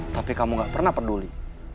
tapi kamu gak pernah peduli